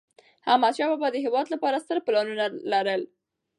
احمدشاه بابا د هېواد لپاره ستر پلانونه لرل.